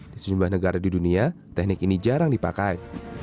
di sejumlah negara di dunia teknik ini jarang dipakai